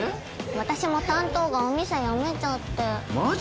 私も担当がお店辞めちゃってマジ？